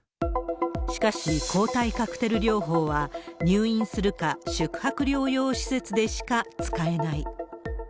しかし抗体カクテル療法は、入院するか、宿泊療養施設でしか使えない。